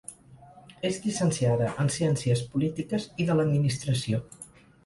És llicenciada en ciències polítiques i de l’administració.